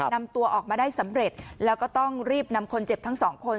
นำตัวออกมาได้สำเร็จแล้วก็ต้องรีบนำคนเจ็บทั้งสองคน